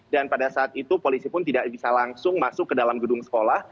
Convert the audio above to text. pada saat itu polisi pun tidak bisa langsung masuk ke dalam gedung sekolah